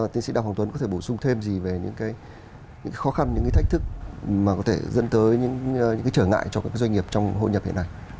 tiến sĩ đào hoàng tuấn có thể bổ sung thêm gì về những cái khó khăn những cái thách thức mà có thể dẫn tới những cái trở ngại cho các doanh nghiệp trong hội nhập hiện nay